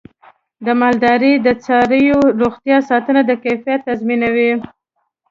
د مالدارۍ د څارویو روغتیا ساتنه د کیفیت تضمینوي.